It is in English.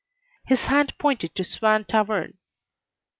His hand pointed to Swan Tavern.